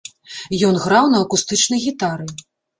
Ён граў на акустычнай гітары.